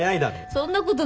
そんなことないよ。